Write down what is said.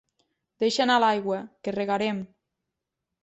Deixa anar l'aigua, que regarem.